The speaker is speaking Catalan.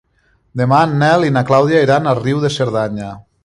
Demà en Nel i na Clàudia iran a Riu de Cerdanya.